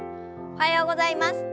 おはようございます。